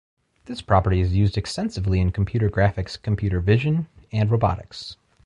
This property is used extensively in computer graphics, computer vision and robotics.